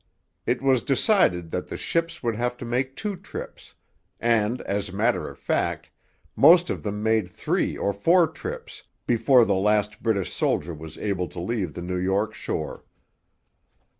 It was decided that the ships would have to make two trips; and, as a matter of fact, most of them made three or four trips before the last British soldier was able to leave the New York shore.